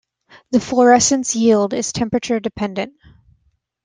The fluorescence yield is temperature dependent.